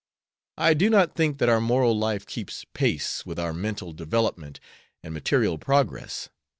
I do not think that our moral life keeps pace with our mental development and material progress.